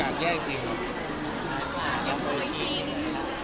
อย่างผู้ห่วงเยี่ยม